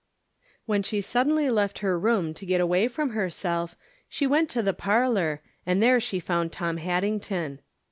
When she suddenly left her room to get away from herself, she went to the parlor, and there she found Tom Haddington.